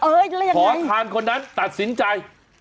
เออแล้วยังไงขอทานคนนั้นตัดสินใจ